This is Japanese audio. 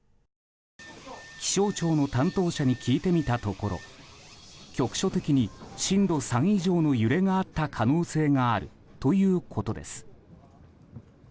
気象庁の担当者に聞いてみたところ局所的に震度３以上の揺れがあった可能性があるということです。